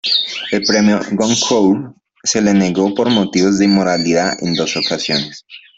El premio Goncourt se le negó por motivos de inmoralidad en dos ocasiones.